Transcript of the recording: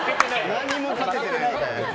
何も勝ててないので。